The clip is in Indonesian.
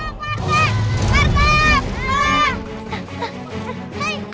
hei abduh dayung